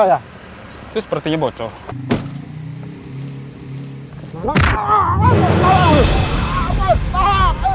itu seperti bocor